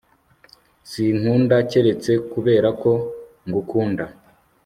Sinkunda keretse kuberako ngukunda